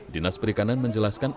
dinas perikanan menjelaskan